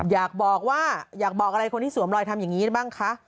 อยากบอกว่าอยากบอกอะไรคนที่สวมรอยทำอย่างนี้ได้บ้างคะ